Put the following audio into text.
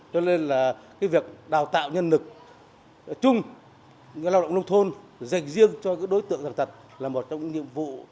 cho nên việc đào tạo nhân lực chung lao động nông thôn dành riêng cho đối tượng thật là một trong những nhiệm vụ